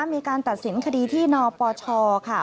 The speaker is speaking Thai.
มีการตัดสินคดีที่นปชค่ะ